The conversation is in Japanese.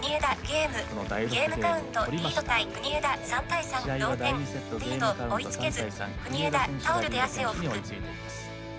ゲームゲームカウントリード対国枝、３対３、同点リード追いつけず国枝、タオルで汗を拭く。